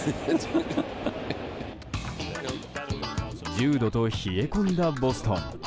１０度と冷え込んだボストン。